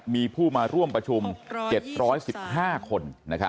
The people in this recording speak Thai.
มีผู้มาร่วมประชุม๗๑๕คน